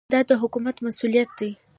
دا د حکومت مسوولیت دی.